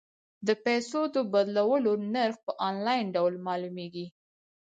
د پيسو د بدلولو نرخ په انلاین ډول معلومیږي.